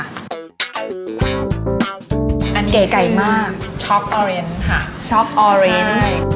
อันนี้คือช็อกออเรนค่ะช็อกออเรน